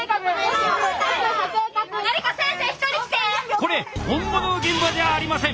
これ本物の現場じゃありません！